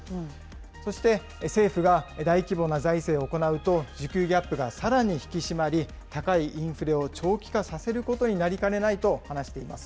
そして政府が、大規模な財政を行うと、需給ギャップがさらに引き締まり、高いインフレを長期化させることになりかねないと話しています。